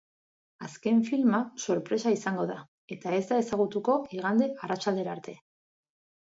Azken filma sorpresa izango da eta ez da ezagutuko igande arratsaldera arte.